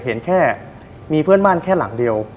เห็นแค่มีเพื่อนบ้านแค่หลังเดียว